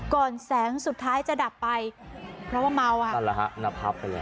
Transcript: ก่อนแสงสุดท้ายจะดับไปเพราะว่าเมาอ่ะอันละค่ะนับพับไปเลย